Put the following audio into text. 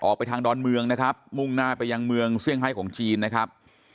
ออกไปทางดอนเมืองนะครับมุ่งหน้าไปยังเมืองเซี่ยงไฮของจีนนะครับ